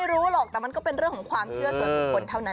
ไม่รู้หรอกแต่มันก็เป็นเรื่องของความเชื่อส่วนบุคคลเท่านั้น